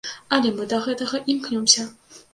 Але мы да гэтага імкнёмся!